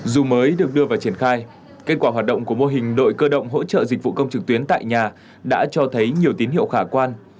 dù mới được đưa vào triển khai kết quả hoạt động của mô hình đội cơ động hỗ trợ dịch vụ công trực tuyến tại nhà đã cho thấy nhiều tín hiệu khả quan